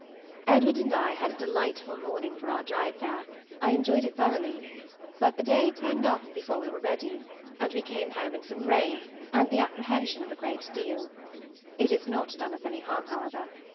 Edward and I had a delightful morning for our drive there, I enjoyed it thoroughly; but the day turned off before we were ready, and we came home in some rain and the apprehension of a great deal. It has not done us any harm, however.